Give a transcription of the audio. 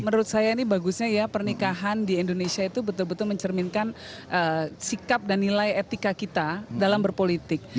menurut saya ini bagusnya ya pernikahan di indonesia itu betul betul mencerminkan sikap dan nilai etika kita dalam berpolitik